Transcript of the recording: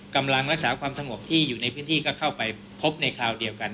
กำลังรักษาความสงบที่อยู่ในพื้นที่ก็เข้าไปพบในคราวเดียวกัน